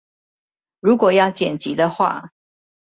如果要剪輯的話